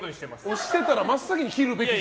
押してたら真っ先に切るべき時間。